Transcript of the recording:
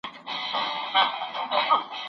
شیخ پیودلی د ریا تار په تسبو دی